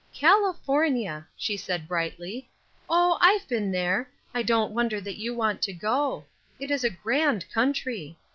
"California," she said, brightly. "Oh, I've been there. I don't wonder that you want to go. It is a grand country.